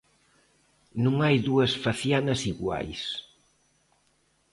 Non hai dúas facianas iguais.